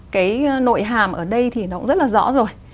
cái nội hàm ở đây thì nó cũng rất là rõ rồi